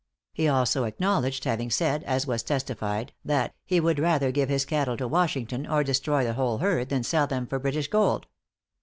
He also acknowledged having said, as was testified, that "he would rather give his cattle to Washington, or destroy the whole herd than sell them for British gold."